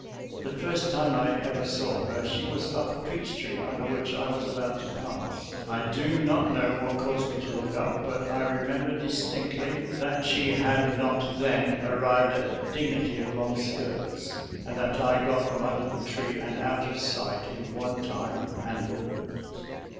The first time I ever saw her she was up a peach tree under which I was about to pass. I do not know what caused me to look up, but I remember distinctly that she had not then ar rived at the dignity of long skirts, and that T got from under the tree and out of sight in one time and movement.